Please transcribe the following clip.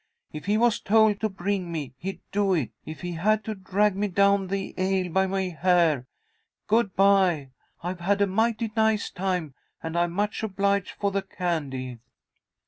If he was told to bring me, he'd do it, if he had to drag me down the aisle by my hair. Good bye. I've had a mighty nice time, and I'm much obliged for the candy."